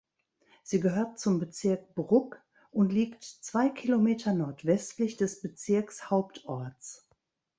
Sie gehört zum Bezirk Brugg und liegt zwei Kilometer nordwestlich des Bezirkshauptorts.